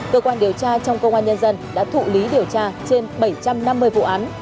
cơ quan điều tra trong công an nhân dân đã thụ lý điều tra trên bảy trăm năm mươi vụ án